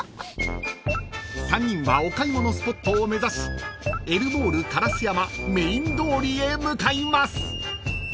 ［３人はお買い物スポットを目指しえるもーる烏山メイン通りへ向かいます］